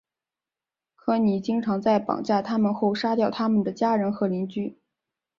科尼经常在绑架他们后杀掉他们的家人和邻居。